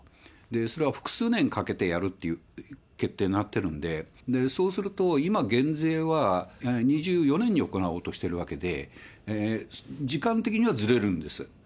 それは複数年かけてやるという決定になってるんで、そうすると、今、減税は２４年に行おうとしているわけで、時間的にはずれるんです。